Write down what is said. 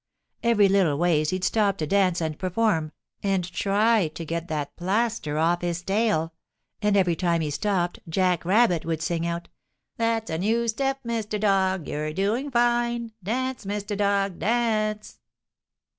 Every little ways he'd stop to dance and perform, and try to get that plaster off his tail, and every time he stopped Jack Rabbit would sing out: "That's a new step, Mr. Dog! You're doing fine! Dance, Mr. Dog; dance!"